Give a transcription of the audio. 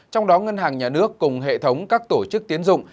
trong đó ngân hàng nhà nước cùng hệ thống các tổ chức tiến dụng